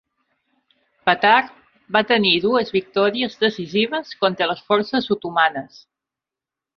Petar va tenir dues victòries decisives contra les forces otomanes.